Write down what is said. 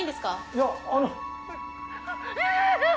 いやあの。